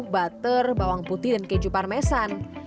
butter bawang putih dan keju parmesan